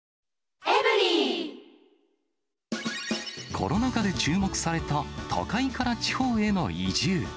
コロナ禍で注目された都会から地方への移住。